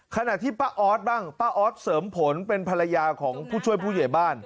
ขณะที่ป้าออสบ้างป้าออสเสริมผลเป็นภรรยาของผู้ช่วยผู้ใหญ่บ้าน